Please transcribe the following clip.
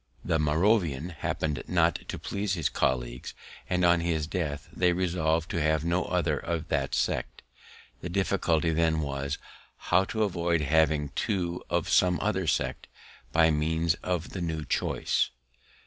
The Moravian happen'd not to please his colleagues, and on his death they resolved to have no other of that sect. The difficulty then was, how to avoid having two of some other sect, by means of the new choice.